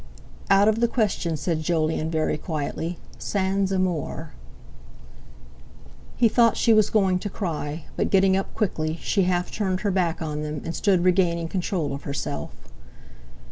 "Out of the question," said Jolyon very quietly, "sans amour." He thought she was going to cry; but, getting up quickly, she half turned her back on them, and stood regaining control of herself.